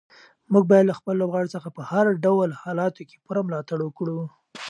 موږ باید له خپلو لوبغاړو څخه په هر ډول حالاتو کې پوره ملاتړ وکړو.